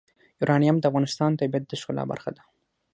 یورانیم د افغانستان د طبیعت د ښکلا برخه ده.